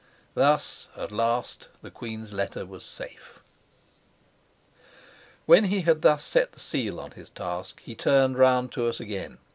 Thus, at last the queen's letter was safe. When he had thus set the seal on his task he turned round to us again.